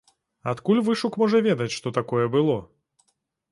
Адкуль вышук можа ведаць, што такое было?